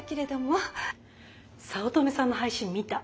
早乙女さんの配信見た？